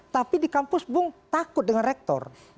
tapi di kampus bung takut dengan rektor